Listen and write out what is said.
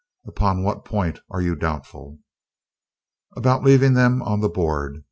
Upon what point are you doubtful?" "About leaving them on the board.